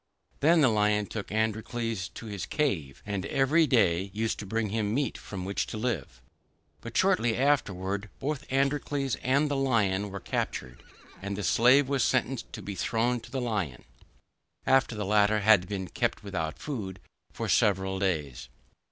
Then the Lion took Androcles to his cave, and every day used to bring him meat from which to live. But shortly afterward both Androcles and the Lion were captured, and the slave was sentenced to be thrown to the Lion, after the latter had been kept without food for several days.